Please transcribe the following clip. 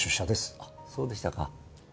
あっそうでしたか。